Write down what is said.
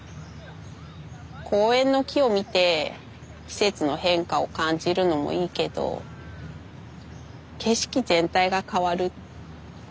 公園の木を見て季節の変化を感じるのもいいけど景色全体が変わる。